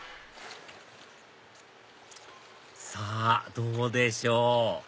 さぁどうでしょう？